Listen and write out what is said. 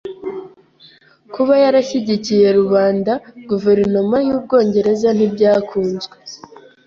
Kuba yarashyigikiye rubanda guverinoma y'Ubwongereza ntibyakunzwe.